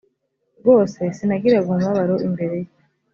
rwose sinagiraga umubabaro imbere ye